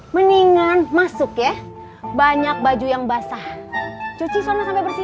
mendingan masuk ya banyak baju yang basah cuci sana sampai bersih